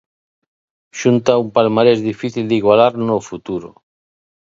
Xunta un palmarés difícil de igualar no futuro.